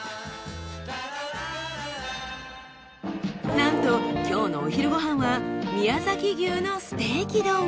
なんと今日のお昼ご飯は宮崎牛のステーキ丼。